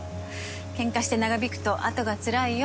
けんかして長引くと後がつらいよ。